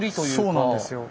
そうなんですよ。